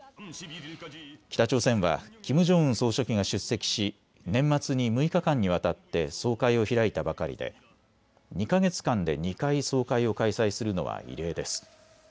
北朝鮮はキム・ジョンウン総書記が出席し年末に６日間にわたって総会を開いたばかりで、２か月間で２回総会を開催するのは異例です。